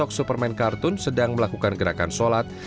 sampai saat permen kartun sedang melakukan gerakan sholat